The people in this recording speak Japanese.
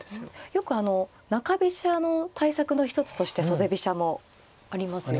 よくあの中飛車の対策の一つとして袖飛車もありますよね。